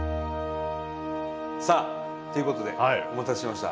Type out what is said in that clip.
さあということでお待たせしました。